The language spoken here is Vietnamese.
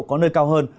có nơi cao hơn